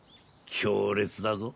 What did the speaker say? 強烈だぞ。